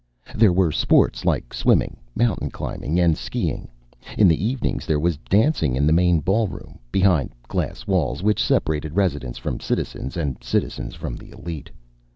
There were sports like swimming, mountain climbing, and skiing. In the evenings there was dancing in the main ballroom, behind glass walls which separated residents from citizens and citizens from the elite.